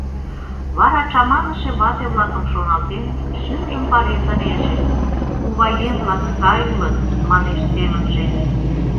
Вара чаманыше вате-влакым шоналтен, шӱмжым паремдынеже: «Куваем-влак сай улыт», — манеш семынже.